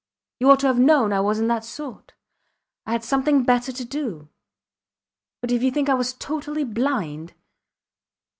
You ought to have known I wasnt that sort. ... I had something better to do. But if you think I was totally blind